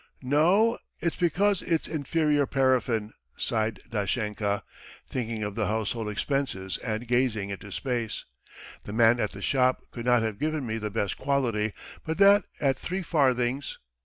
"No, it's because it's inferior paraffin!" sighed Dashenka, thinking of the household expenses and gazing into space. "The man at the shop could not have given me the best quality, but that at three farthings.